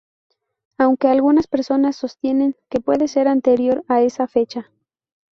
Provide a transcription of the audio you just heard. Aunque algunas personas sostienen que puede ser anterior a esa fecha.